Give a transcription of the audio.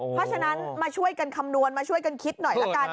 เพราะฉะนั้นมาช่วยกันคำนวณมาช่วยกันคิดหน่อยละกัน